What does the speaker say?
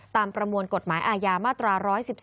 ประมวลกฎหมายอาญามาตรา๑๑๒